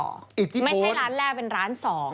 ไม่ใช่ร้านแรกเป็นร้าน๒